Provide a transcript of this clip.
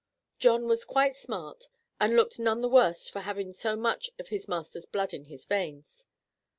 John was quite smart, and looked none the worse for having so much of his master's blood in his veins.